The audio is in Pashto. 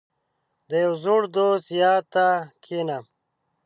• د یو زوړ دوست یاد ته کښېنه.